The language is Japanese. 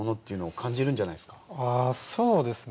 あそうですね。